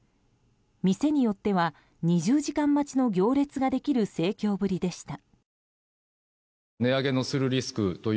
店によっては２０時間待ちの行列ができる盛況ぶりでした。